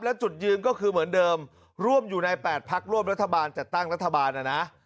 และจุดยืนก็คือเหมือนเดิมร่วมอยู่ใน๘พักร่วมรัฐบาลจัดตั้งรัฐบาลนะนะ